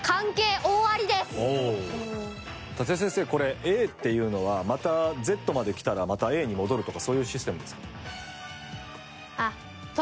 達哉先生これＡっていうのはまたＺまできたらまたＡに戻るとかそういうシステムですか？